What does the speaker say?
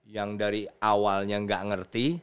yang dari awalnya nggak ngerti